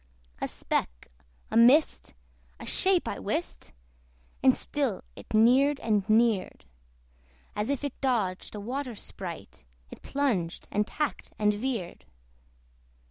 A speck, a mist, a shape, I wist! And still it neared and neared: As if it dodged a water sprite, It plunged and tacked and veered.